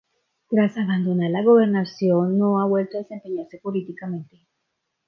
Tras abandonar la gobernación, no ha vuelto a desempeñarse políticamente.